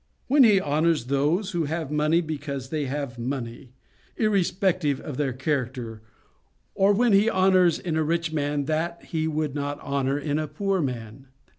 When he honours those who have money because they have money, irrespective of their character; or when he honours in a rich man what he would not honour in a poor man.